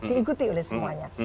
diikuti oleh semuanya